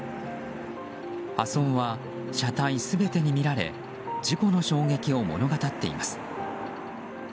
破損は車体全てに見られ事故の衝撃を物語っています。